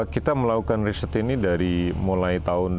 kita melakukan riset ini dari mulai tahun dua ribu